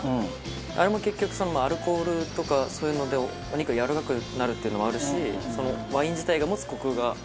あれも結局アルコールとかそういうのでお肉がやわらかくなるっていうのもあるしワイン自体が持つコクが。